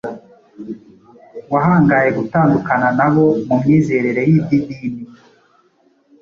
wahangaye gutandukana nabo mu myizerere y’iby’idini